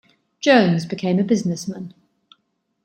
Jones became a businessman.